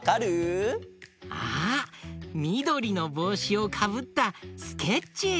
みどりのぼうしをかぶったスケッチー！